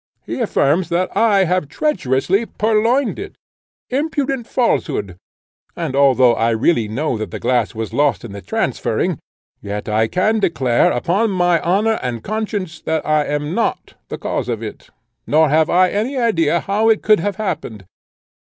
He affirms that I have treacherously purloined it an impudent falsehood and although I really know that the glass was lost in the transferring, yet I can declare, upon my honour and conscience, that I am not the cause of it, nor have I any idea how it could have happened.